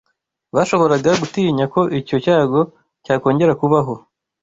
bashoboraga gutinya ko icyo cyago cyakongera kubaho